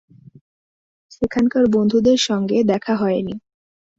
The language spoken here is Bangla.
সেখানকার বন্ধুদের সঙ্গে দেখা হয়নি।